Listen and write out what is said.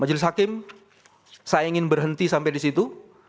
majelis hakim saya ingin berhenti sampai di situ